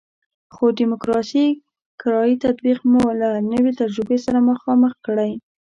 خو د ډیموکراسي کرایي تطبیق موږ له نوې تجربې سره مخامخ کړی.